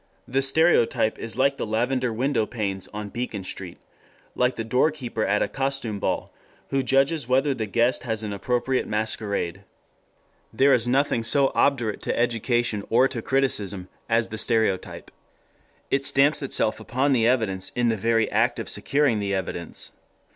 The stereotype is like the lavender window panes on Beacon Street, like the door keeper at a costume ball who judges whether the guest has an appropriate masquerade. There is nothing so obdurate to education or to criticism as the stereotype. It stamps itself upon the evidence in the very act of securing the evidence.